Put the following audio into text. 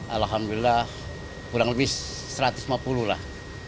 alhamdulillah kurang lebih satu ratus lima puluh lah